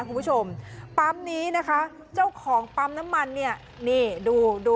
คุณผู้ชมปั๊มนี้นะคะเจ้าของปั๊มน้ำมันเนี่ยนี่ดูดู